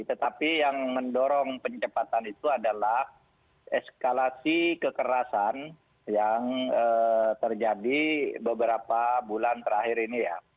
tetapi yang mendorong pencepatan itu adalah eskalasi kekerasan yang terjadi beberapa bulan terakhir ini ya